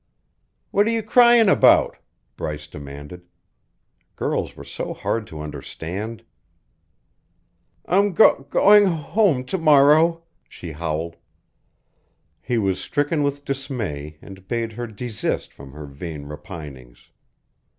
"What are you crying about?" Bryce demanded. Girls were so hard to understand. "I'm go going h h h home to morrow," she howled. He was stricken with dismay and bade her desist from her vain repinings.